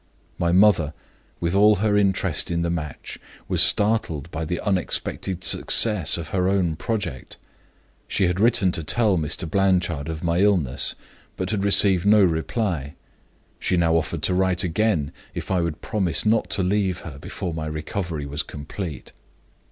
My mother, with all her interest in the match, was startled by the unexpected success of her own project. She had written to tell Mr. Blanchard of my illness, but had received no reply. She now offered to write again, if I would promise not to leave her before my recovery was complete.